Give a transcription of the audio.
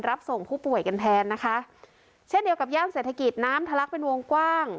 รับส่งผู้ป่วยกันแทนนะคะเช่นเดียวกับย่านเศรษฐกิจน้ำทะลักเป็นวงกว้าง